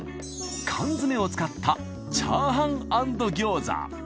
缶詰を使ったチャーハン＆餃子。